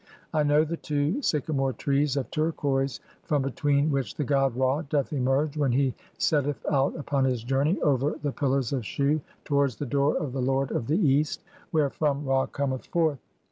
I know (9) the two "sycamore trees of turquoise, from between which the god Ra "doth emerge when he setteth out upon his journey (10) over "the pillars of Shu towards the door of the Lord of the East, "wherefrom Ra cometh forth.